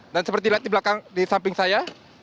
dan seperti lihat di belakang di samping saya